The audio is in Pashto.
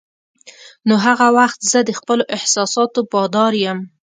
نو هغه وخت زه د خپلو احساساتو بادار یم.